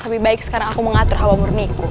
lebih baik sekarang aku mengatur hawa murni